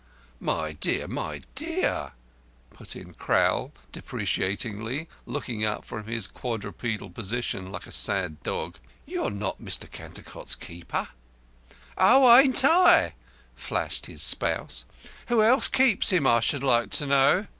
"My dear, my dear," put in Crowl, deprecatingly, looking up from his quadrupedal position like a sad dog, "you are not Cantercot's keeper." "Oh, ain't I?" flashed his spouse. "Who else keeps him, I should like to know?"